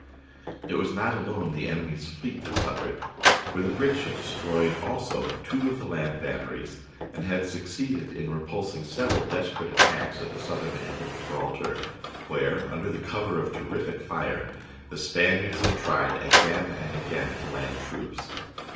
It was not alone the enemy's fleet that suffered, for the British had destroyed also two of the land batteries and had succeeded in repulsing several desperate attacks at the southern end of Gibraltar, where, under cover of the terrific fire, the Spaniards had tried again and again to land troops.